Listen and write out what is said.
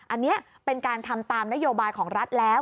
อันนี้เป็นการทำตามนโยบายของรัฐแล้ว